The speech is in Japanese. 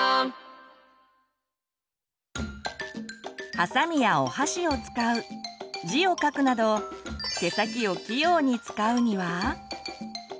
はさみやお箸を使う字を書くなど手先を器用に使うには？